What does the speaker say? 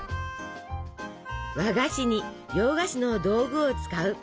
和菓子に洋菓子の道具を使う。